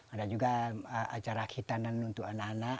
ada juga acara hitanan untuk anak anak